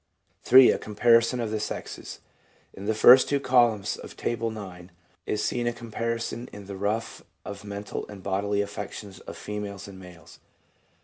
3. A Comparison of the Sexes. — In the first two columns of Table IX. is seen a comparison in the rough of mental and bodily affections of females and males.